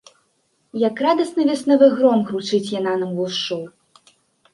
Як радасны веснавы гром, гручыць яна нам увушшу.